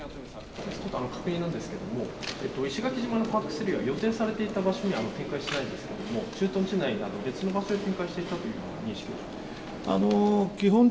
確認なんですけども、石垣島のＰＡＣ３は予定されていた場所には展開しないんですけれども、駐屯地内など別の場所に展開していたという認識で。